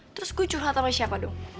terus ku curhat sama siapa dong